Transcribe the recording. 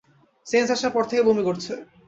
Sense আসার পর থেকে বমি করছে।